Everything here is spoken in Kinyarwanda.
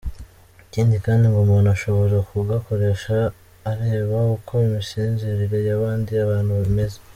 Ikindi kandi ngo umuntu ashobora kugakoresha areba uko imisinzirire y’abandi bantu imeze.